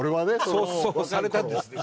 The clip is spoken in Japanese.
そうされたんですね？